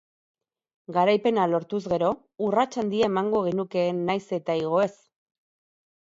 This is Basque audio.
Garaipena lortuz gero urrats handia emango genukeen nahiz eta igo ez.